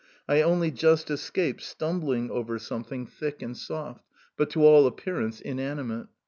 I only just escaped stumbling over something thick and soft, but, to all appearance, inanimate.